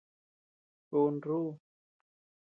Un rúʼu.